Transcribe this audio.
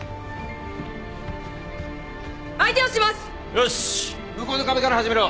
よし向こうの壁から始めろ。